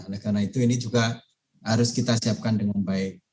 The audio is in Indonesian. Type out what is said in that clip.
oleh karena itu ini juga harus kita siapkan dengan baik